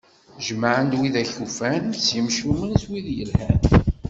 Jemɛen-d wid akk ufan, s yemcumen, s wid yelhan.